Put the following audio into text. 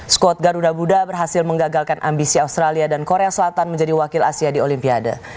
skuad garuda budha berhasil menggagalkan ambisi australia dan korea selatan menjadi wakil asia di olimpiade